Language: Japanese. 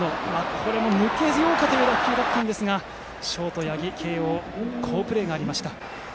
これも抜けようかという打球だったんですが慶応のショート、八木の好プレーがありました。